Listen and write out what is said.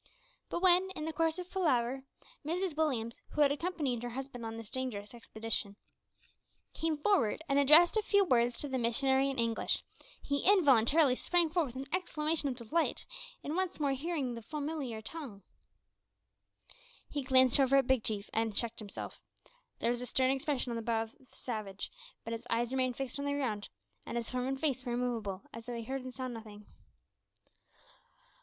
But when, in the course of the palaver, Mrs Williams, who had accompanied her husband on this dangerous expedition, came forward and addressed a few words to the missionary in English, he involuntarily sprang forward with an exclamation of delight at hearing once more the old familiar tongue. He glanced, however, at Big Chief, and checked himself. There was a stern expression on the brow of the savage, but his eyes remained fixed on the ground, and his form and face were immovable, as though he heard and saw nothing.